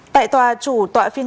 tại tòa chủ tòa phiên tài